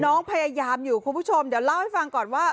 น้องพยายามอยู่คุณผู้ชมเดี๋ยวเล่าให้ฟังก่อนว่า